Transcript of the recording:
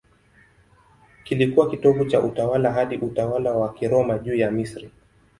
Kilikuwa kitovu cha utawala hadi utawala wa Kiroma juu ya Misri.